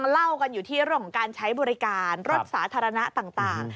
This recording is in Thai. เล่ากันอยู่ที่เรื่องของการใช้บริการรถสาธารณะต่าง